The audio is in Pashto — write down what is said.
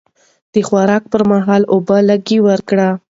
د خوراک پر مهال اوبه لږ ورکړئ.